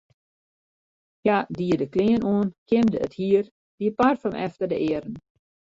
Hja die de klean oan, kjimde it hier, die parfum efter de earen.